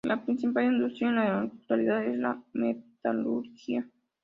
La principal industria en la actualidad es la metalurgia.